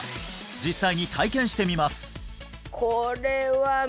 実際に体験してみます